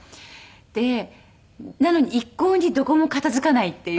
なのに一向にどこも片付かないっていう感じで。